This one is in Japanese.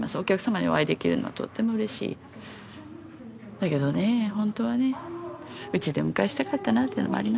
だけどね本当はねうちでお迎えしたかったなっていうのもあります